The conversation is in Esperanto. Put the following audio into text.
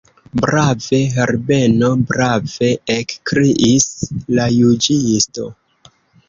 Brave, Herbeno, brave, ekkriis la juĝisto.